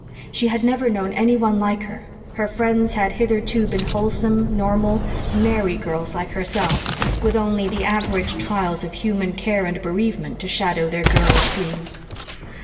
She had never known anyone like her; her friends had hitherto been wholesome, normal, merry girls like herself, with only the average trials of human care and bereavement to shadow their girlish dreams.